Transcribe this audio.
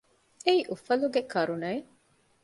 އެއީ އުފަލުގެ ކަރުނަ އެއް